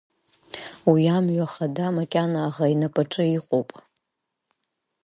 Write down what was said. Уи амҩа хада макьана аӷа инапаҿы иҟоуп.